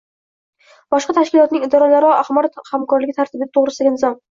boshqa tashkilotlarning idoralararo axborot hamkorligi tartibi to‘g‘risidagi nizom.